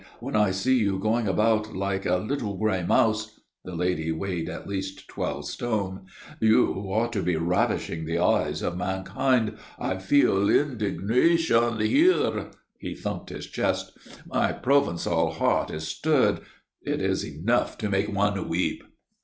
When I see you going about like a little grey mouse" the lady weighed at least twelve stone "you, who ought to be ravishing the eyes of mankind, I feel indignation here" he thumped his chest; "my Provençal heart is stirred. It is enough to make one weep."